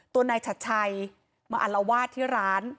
ตัวนายชัดชัยมาอัลวาดที่ร้าน